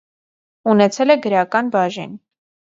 Ունեցել է գրական բաժին։